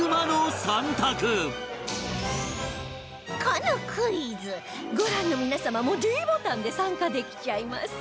このクイズご覧の皆様も ｄ ボタンで参加できちゃいます